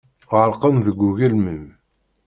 Ɣerqen deg ugelmim.